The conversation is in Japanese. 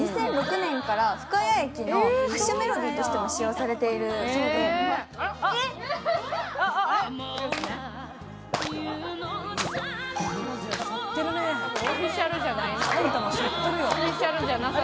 ２００６年から深谷駅の発車メロディーとしても使用されています。